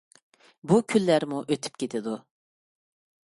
بۇ كۈنلەرمۇ ئۆتۈپ كېتىدۇ.